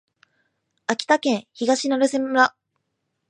秋田県東成瀬村